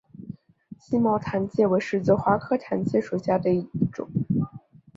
星毛糖芥为十字花科糖芥属下的一个种。